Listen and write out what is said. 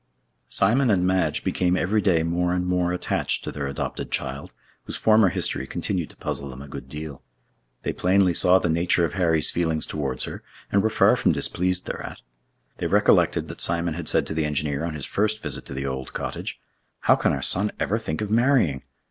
Simon and Madge became every day more and more attached to their adopted child, whose former history continued to puzzle them a good deal. They plainly saw the nature of Harry's feelings towards her, and were far from displeased thereat. They recollected that Simon had said to the engineer on his first visit to the old cottage, "How can our son ever think of marrying?